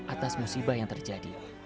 atas musibah yang terjadi